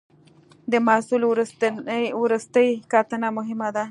د محصول وروستۍ کتنه مهمه ده.